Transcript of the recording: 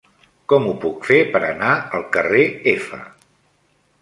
Com ho puc fer per anar al carrer F?